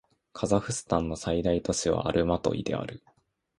カザフスタンの最大都市はアルマトイである